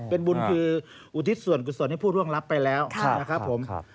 เป็นบุญคืออุทิศส่วนกุศลให้ผู้ร่วงรับไปแล้วนะครับผม